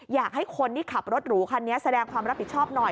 อยากให้คนที่ขับรถหรูคันนี้แสดงความรับผิดชอบหน่อย